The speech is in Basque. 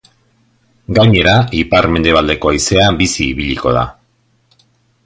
Gainera, ipar-mendebaldeko haizea bizi ibiliko da.